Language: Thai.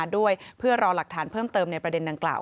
ด้วยเพื่อรอหลักฐานเพิ่มเติมในประเด็นดังกล่าว